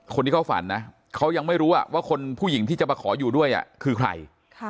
คนที่เขาฝันนะเขายังไม่รู้ว่าคนผู้หญิงที่จะมาขออยู่ด้วยคือใคร